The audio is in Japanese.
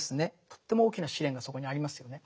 とっても大きな試練がそこにありますよね。